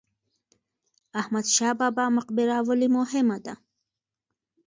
احمد شاه بابا مقبره ولې مهمه ده؟